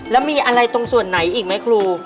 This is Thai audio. แล้วมีอะไรตรงส่วนไหนอีกไหมครู